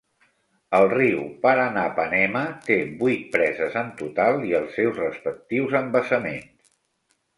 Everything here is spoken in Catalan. El riu Paranapanema té vuit preses en total i els seus respectius embassaments.